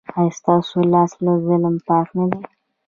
ایا ستاسو لاس له ظلم پاک نه دی؟